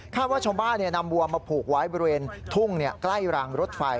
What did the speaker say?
ว่าชาวบ้านนำวัวมาผูกไว้บริเวณทุ่งใกล้รางรถไฟ